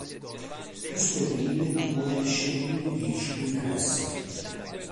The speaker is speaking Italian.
Più sterline due e scellini dieci di interessi.